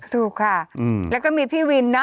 ถูกค่ะแล้วก็มีพี่วินเนอ